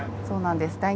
そうなんです